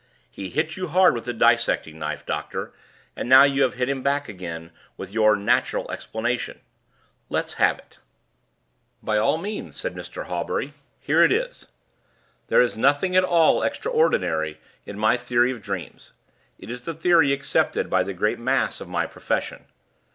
"He hit you hard with the 'dissecting knife,' doctor; and now you have hit him back again with your 'natural explanation.' Let's have it." "By all means," said Mr. Hawbury. "Here it is. There is nothing at all extraordinary in my theory of dreams: it is the theory accepted by the great mass of my profession.